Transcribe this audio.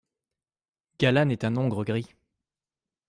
Galan est un hongre gris.